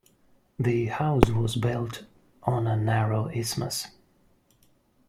The house was built on a narrow isthmus.